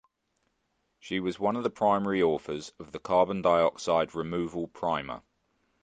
She was one of the primary authors of the Carbon Dioxide Removal Primer.